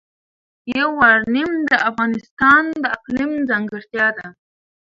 یورانیم د افغانستان د اقلیم ځانګړتیا ده.